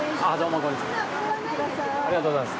ありがとうございます。